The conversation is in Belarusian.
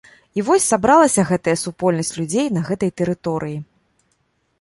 І вось сабралася гэтая супольнасць людзей на гэтай тэрыторыі.